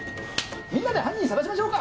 みんなで犯人探しましょうか？